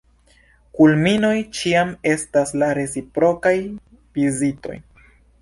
Kulminoj ĉiam estas la reciprokaj vizitoj.